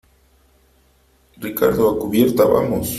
Ricardo , a cubierta .¡ vamos !